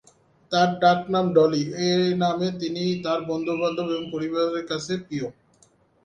তার ডাকনাম "ডলি", এ নামে তিনি তার বন্ধুবান্ধব এবং পরিবারের কাছে প্রিয়।